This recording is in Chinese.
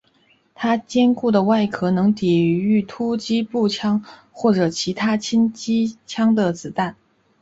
他坚固的外壳能抵御突袭步枪或者其他轻机枪的子弹。